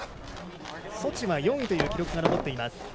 ソチは４位という記録が残っています。